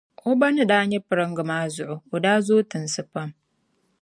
O ba ni daa nyɛ piringa maa zuɣu,o daa zooi tinsi pam.